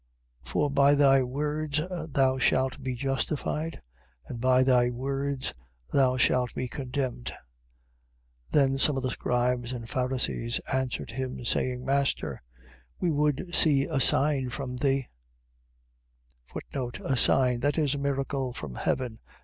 For by thy words thou shalt be justified, and by thy words thou shalt be condemned. 12:38. Then some of the scribes and Pharisees answered him, saying: Master, we would see a sign from thee. A sign. . .That is, a miracle from heaven.